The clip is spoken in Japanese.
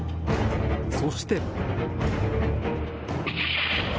そして。